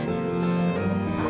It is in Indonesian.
yang lebih mudah